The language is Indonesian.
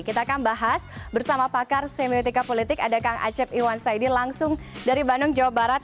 kita akan bahas bersama pakar semiotika politik ada kang acep iwan saidi langsung dari bandung jawa barat